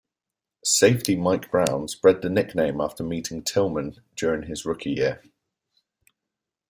Safety Mike Brown spread the nickname after meeting Tillman during his rookie year.